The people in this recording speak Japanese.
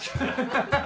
ハハハハ！